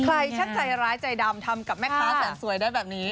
ชักใจร้ายใจดำทำกับแม่ค้าแสนสวยได้แบบนี้